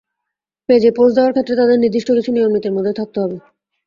পেজে পোস্ট দেওয়ার ক্ষেত্রে তাঁদের নির্দিষ্ট কিছু নিয়মনীতির মধ্যে থাকতে হবে।